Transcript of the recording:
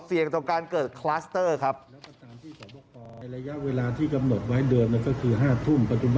เซียงตรงการเกิดคลัสเตอร์ครับ